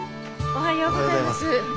おはようございます。